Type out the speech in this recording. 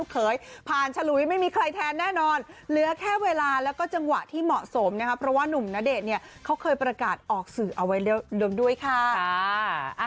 แค่เวลาและจังหวะที่เหมาะสมเพราะว่าหนุ่มนเดชเขาเคยบอกว่าออกสื่อเอารวมด้วยค่ะ